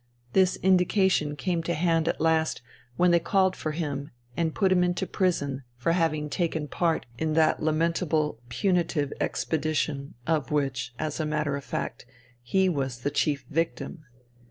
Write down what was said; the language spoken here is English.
This indication came to hand at last when they called for him and put him into prison for having taken part in that lamentable punitive expedition of which, as a matter of fact, he was the chief victim.